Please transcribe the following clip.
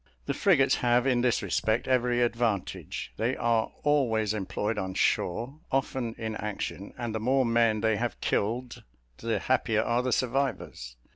The frigates have, in this respect, every advantage; they are always employed on shore, often in action, and the more men they have killed, the happier are the survivors.